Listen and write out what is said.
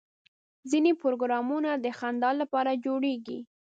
ځینې پروګرامونه د خندا لپاره جوړېږي.